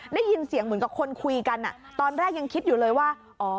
ได้ยินเสียงเหมือนกับคนคุยกันตอนแรกยังคิดอยู่เลยว่าอ๋อ